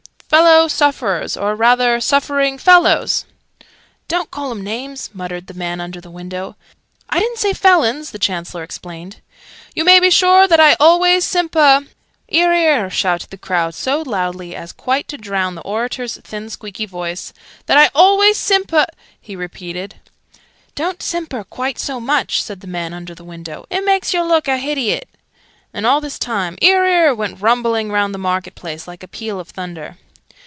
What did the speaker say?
Fellow sufferers, or rather suffering fellows " ("Don't call 'em names!" muttered the man under the window. "I didn't say felons!" the Chancellor explained.) "You may be sure that I always sympa " ("'Ear, 'ear!" shouted the crowd, so loudly as quite to drown the orator's thin squeaky voice) " that I always sympa " he repeated. ("Don't simper quite so much!" said the man under the window. "It makes yer look a hidiot!" And, all this time, "'Ear, 'ear!" went rumbling round the market place, like a peal of thunder.)